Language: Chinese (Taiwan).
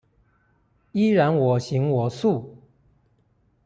依然我行我素